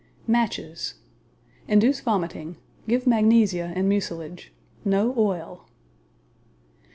Matches Induce vomiting. Give magnesia and mucilage. NO OIL.